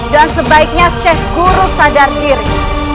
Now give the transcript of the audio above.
dan sebaiknya sheikh guru sadar diri